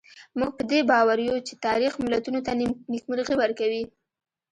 موږ په دې باور یو چې تاریخ ملتونو ته نېکمرغي ورکوي.